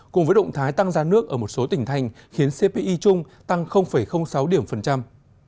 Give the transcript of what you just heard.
cùng với động thái tăng giá nước ở một số tỉnh thành khiến cpi chung tăng sáu điểm phần trăm